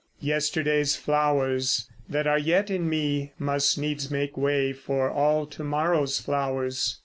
Yesterday's flowers that are yet in me Must needs make way for all to morrow's flowers.